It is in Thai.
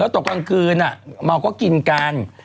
ตกตางคืนน่ะมัวก็กินกัน